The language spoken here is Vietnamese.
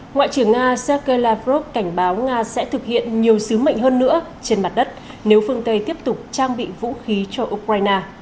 ngoại trưởng nga sergei lavrov cảnh báo nga sẽ thực hiện nhiều sứ mệnh hơn nữa trên mặt đất nếu phương tây tiếp tục trang bị vũ khí cho ukraine